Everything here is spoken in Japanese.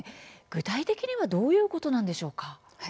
具体的にはどんなことなんでしょうか？